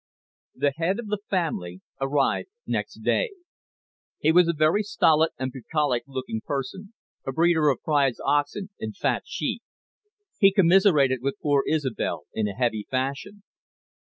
The Head of the Family arrived next day. He was a very stolid and bucolic looking person, a breeder of prize oxen and fat sheep. He commiserated with poor Isobel in a heavy fashion.